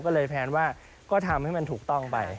ก็เลยแพลนว่าก็ทำให้มันถูกต้องไป